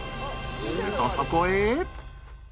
するとそこへ。